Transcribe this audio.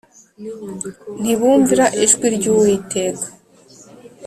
Ntibumvira ijwi ry’Uwiteka